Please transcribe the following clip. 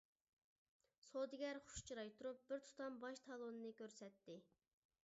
-سودىگەر خۇش چىراي تۇرۇپ بىر تۇتام باج تالونىنى كۆرسەتتى.